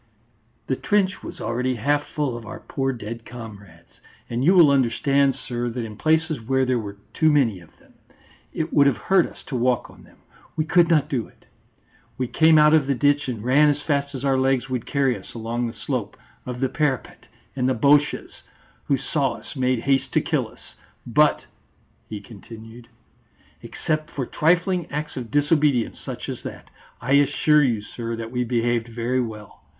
"The trench was already half full of our poor dead comrades. And you will understand, sir, that in places where there were too many of them, it would have hurt us to walk on them; we could not do it. We came out of the ditch, and ran as fast as our legs would carry us along the slope of the parapet, and the Boches who saw us made haste to kill us. But," he continued, "except for trifling acts of disobedience such as that, I assure you, sir, that we behaved very well.